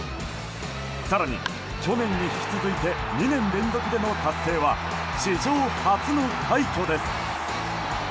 更に、去年に引き続いて２年連続での達成は史上初の快挙です。